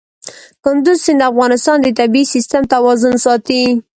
کندز سیند د افغانستان د طبعي سیسټم توازن ساتي.